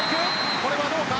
これはどうか。